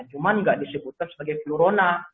cuma nggak disebutkan sebagai flurona